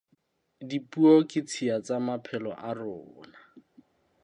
Dipuo ke tshiya tsa maphelo a rona.